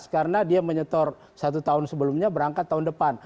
karena dia menyetor satu tahun sebelumnya berangkat tahun depan